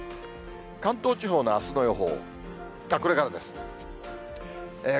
関東地方のあすの予報。